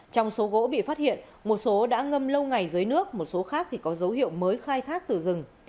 trong số gỗ bị phát hiện một số đã ngâm lâu ngày dưới nước một số khác thì có dấu hiệu mới khai thác từ rừng